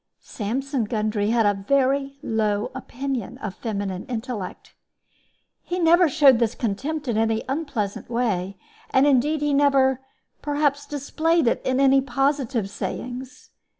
Sampson Gundry had a very low opinion of feminine intellect. He never showed this contempt in any unpleasant way, and indeed he never, perhaps, displayed it in any positive sayings.